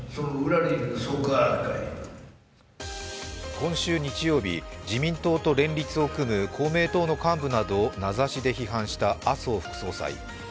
今週日曜日、自民党と連立を組む公明党の幹部などを名指しで批判した麻生副総裁。